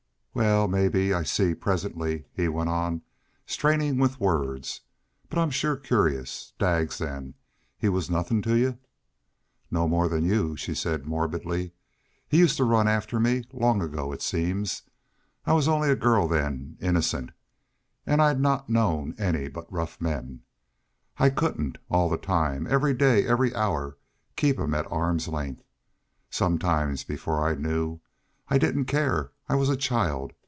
"Wal, mebbe I'll see presently," he went on, straining with words. "But I'm shore curious.... Daggs, then he was nothin' to y'u?" "No more than y'u," she said, morbidly. "He used to run after me long ago, it seems..... I was only a girl then innocent an' I'd not known any but rough men. I couldn't all the time every day, every hour keep him at arm's length. Sometimes before I knew I didn't care. I was a child.